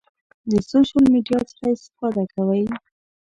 د سوشل میډیا څخه استفاده کوئ؟